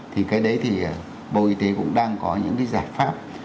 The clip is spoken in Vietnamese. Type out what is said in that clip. thì cái đấy thì bộ y tế cũng đang có những cái giải pháp